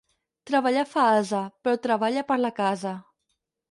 Treballar fa ase, però treballa per la casa.